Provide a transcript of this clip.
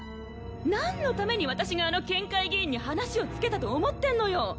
⁉なんのために私があの県会議員に話をつけたと思ってんのよ！